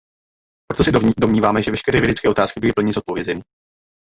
Proto se domníváme, že veškeré vědecké otázky byly plně zodpovězeny.